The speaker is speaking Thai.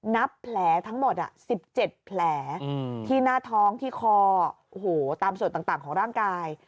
นับแผลทั้งหมด๑๗แผลที่หน้าท้องที่คอตามส่วนต่างของร่างกาย